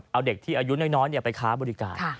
เอาเด็กที่อายุน้อยไปค้าบริการ